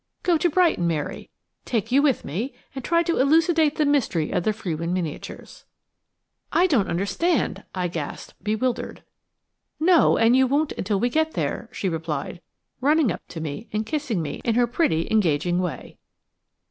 "Go to Brighton, Mary, take you with me and try to elucidate the mystery of the Frewin miniatures." "I don't understand," I gasped, bewildered. "No, and you won't until we get there," she replied, running up to me and kissing me in her pretty, engaging way.